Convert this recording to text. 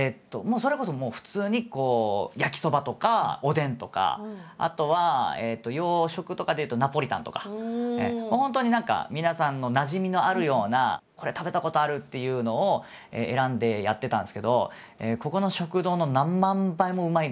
それこそもう普通に焼きそばとかおでんとかあとは洋食とかでいうとナポリタンとか本当に何か皆さんのなじみのあるようなこれ食べたことあるっていうのを選んでやってたんですけどここの食堂の何万倍もうまいみたいな。